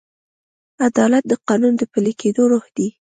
عدالت د قانون د پلي کېدو روح دی.